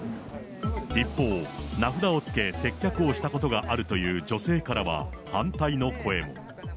一方、名札を付け接客をしたことがあるという女性からは、反対の声も。